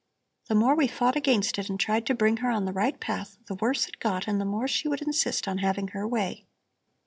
The more we fought against it and tried to bring her on the right path, the worse it got and the more she would insist on having her way.